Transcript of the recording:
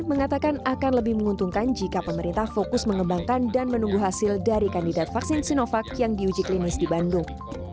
mengatakan akan lebih menguntungkan jika pemerintah fokus mengembangkan dan menunggu hasil dari kandidat vaksin sinovac yang diuji klinis di bandung